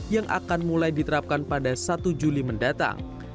yang akan mulai diterapkan pada satu juli mendatang